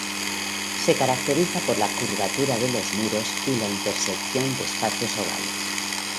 Se caracteriza por la curvatura de los muros y la intersección de espacios ovales.